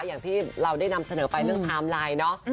อย่างที่เราได้นำเสนอไปเรื่องไทม์ไลน์เนาะ